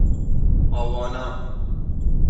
هاوانا